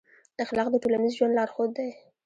اخلاق د ټولنیز ژوند لارښود دی.